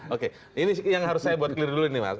oke ini yang harus saya buat clear dulu ini mas